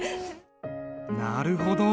なるほど。